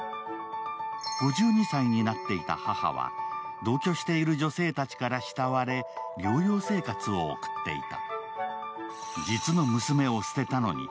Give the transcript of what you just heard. ５２歳になっていた母は、同居している女性たちから慕われ療養生活を送っていた。